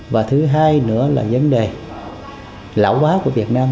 và thứ hai nữa là vấn đề lão quá của việt nam